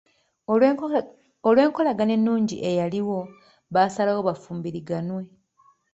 Olw'enkolagana ennungi eyaliwo baasalawo bafumbiriganwe.